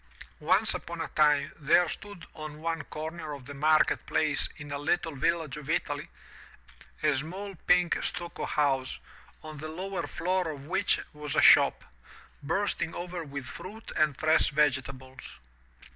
Once upon a time there stood on one comer of the market place in a little village of Italy, a small pink stucco house, on the lower floor of which was a shop, bursting over with fruit and fresh vegetables.